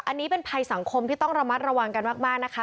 อันนี้เป็นภัยสังคมที่ต้องระมัดระวังกันมากนะคะ